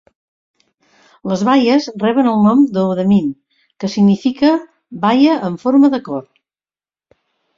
Les baies reben el nom d'Odamin, que significa "baia en forma de cor".